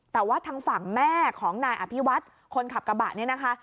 แต่ว่าทางฝั่งแม่ของนายอภิวัฒน์คนขับกระบะเนี่ยนะคะ